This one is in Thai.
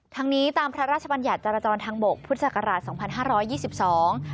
ทั้งนี้ตามพระราชบัญญัติจรจรทางบกพุทธศักราชสองพันห้าร้อยยี่สิบสอง